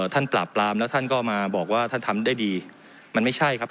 ท่านปราบปรามแล้วท่านก็มาบอกว่าท่านทำได้ดีมันไม่ใช่ครับ